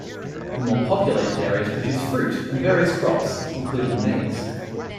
The more populated areas produce fruit and various crops, including maize.